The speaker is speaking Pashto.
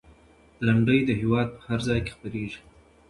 لنډۍ د هېواد په هر ځای کې خپرېږي.